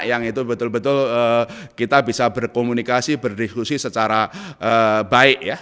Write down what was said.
yang itu betul betul kita bisa berkomunikasi berdiskusi secara baik ya